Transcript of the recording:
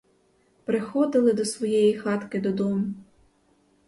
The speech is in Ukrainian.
Приходили до своєї хатки додому.